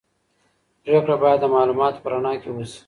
پرېکړه باید د معلوماتو په رڼا کي وسي.